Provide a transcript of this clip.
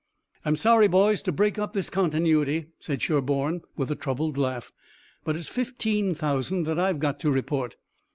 "I'm sorry, boys, to break up this continuity," said Sherburne with a troubled laugh, "but it's fifteen thousand that I've got to report.